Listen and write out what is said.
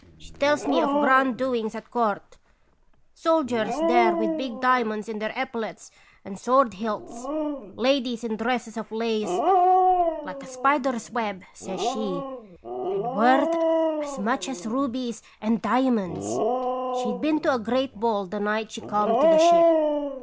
She tells me of grand doings at court ; soldiers there with big diamonds in their epaulets and sword hilts ; ladies in dresses of lace ' like a spider's web,' says she, 'and worth as much as rubies 21 <S>rad0ns tHsitation. 171 and diamonds/ She 'd been to a great ball the night she come to the ship.